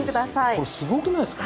これ、すごくないですか。